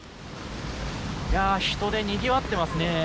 人でにぎわってますね。